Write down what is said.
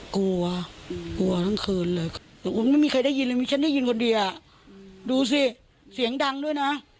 กลัวกลัวทั้งคืนเลยไม่มีใครได้ยินเลยมีฉันได้ยินคนเดียวดูสิเสียงดังด้วยนะ